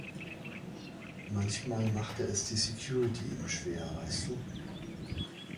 Manchmal machte es die Security ihnen schwer, weißt du.